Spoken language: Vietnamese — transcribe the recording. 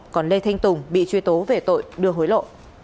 còn lê thanh tùng bị truy tố về tội đưa hối lộ